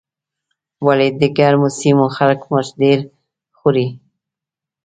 ولې د ګرمو سیمو خلک مرچ ډېر خوري.